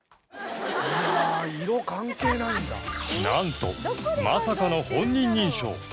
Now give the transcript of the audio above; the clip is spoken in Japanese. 何とまさかの本人認証